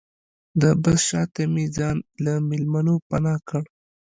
د بس شاته مې ځان له مېلمنو پناه کړ.